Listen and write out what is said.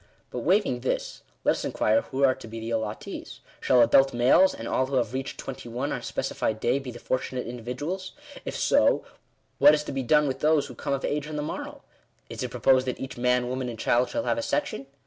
But, waiving this, let us inquire who are to be the allottees. Shall adult males, and all who have reached twenty one on a specified day, be the fortunate individuals ? If so, what is to be done with those who come of age on the morrow ? Is it proposed that each man, woman, and child, shall have a sec tion